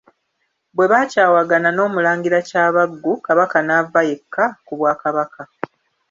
Bwe baakyawagana n'Omulangira Kyabaggu, Kabaka n'ava yekka ku Bwakabaka.